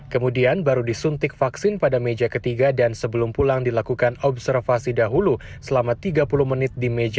kemudian baru disuntik vaksin pada meja ketiga dan sebelum pulang dilakukan observasi dahulu selama tiga puluh menit di meja